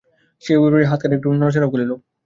সেই অভিপ্রায়ে খাতাখানা একটু নাড়াচাড়াও করিল।